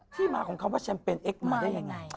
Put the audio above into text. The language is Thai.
ที่มาของคำว่าแชมเปญเอ็กซมาได้ยังไง